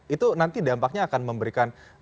itu nanti dampaknya akan memberikan